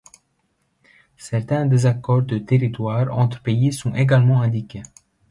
Certains désaccords de territoire entre pays sont également indiqués.